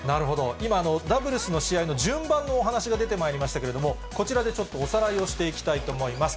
今、ダブルスの試合の順番のお話が出てまいりましたけれども、こちらでちょっとおさらいをしていきたいと思います。